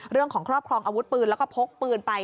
เรื่องของครอบครองอาวุธปืนแล้วก็พกปืนไป